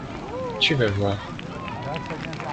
Tu va voir !